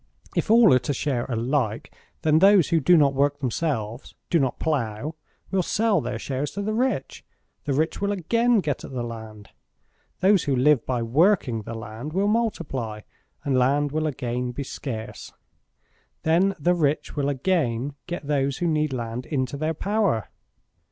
"If all are to share alike, then those who do not work themselves do not plough will sell their shares to the rich. The rich will again get at the land. Those who live by working the land will multiply, and land will again be scarce. Then the rich will again get those who need land into their power."